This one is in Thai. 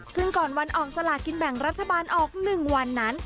ซึ่งก่อนวันออกสลากินแบ่งรัฐบาลออก๑วันนั้น